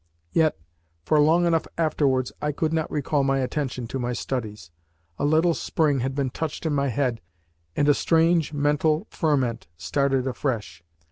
Yet for long enough afterwards I could not recall my attention to my studies. A little spring had been touched in my head, and a strange mental ferment started afresh.